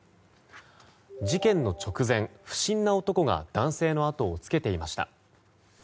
事件の直前、不審な男が男性のあとをつけていました。